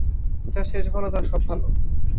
যার শেষ ভাল, তার সব ভাল।